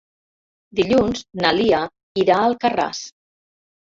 Dilluns na Lia irà a Alcarràs.